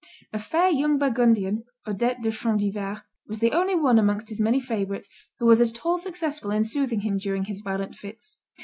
A fair young Burgundian, Odette de Champdivers, was the only one amongst his many favorites who was at all successful in soothing him during his violent fits.